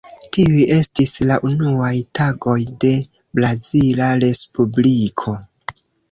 Tiuj estis la unuaj tagoj de brazila Respubliko.